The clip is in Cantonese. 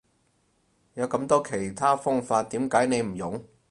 有咁多其他方法點解你唔用？